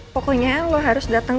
pokoknya lo harus datang